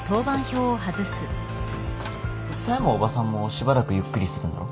冴もおばさんもしばらくゆっくりするんだろ？